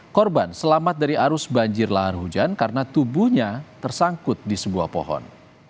korban selamat dari arus banjir lahar hujan karena tubuhnya tersangkut di sebuah pohon